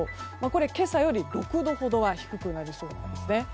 これ今朝よりは６度ほど低くなりそうなんですね。